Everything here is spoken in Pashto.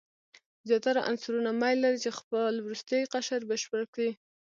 زیاتره عنصرونه میل لري خپل وروستی قشر بشپړ کړي.